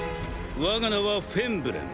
我が名はフェンブレン。